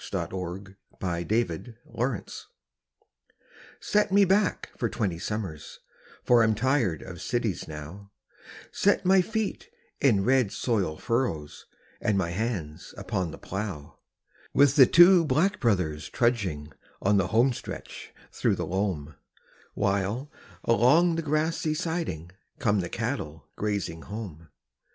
THE SHAKEDOWN ON THE FLOOR Set me back for twenty summers For I'm tired of cities now Set my feet in red soil furrows And my hands upon the plough, With the two 'Black Brothers' trudging On the home stretch through the loam While, along the grassy siding, Come the cattle grazing home.